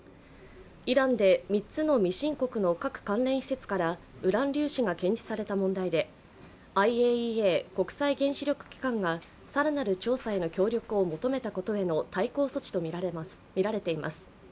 イランで３つの未申告の核関連施設からウラン粒子が検知された問題でＩＡＥＡ＝国際原子力機関が更なる調査への協力を求めたことへの対抗措置とみられています。